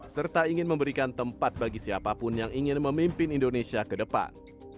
serta ingin memberikan tempat bagi siapapun yang ingin memimpin indonesia ke depan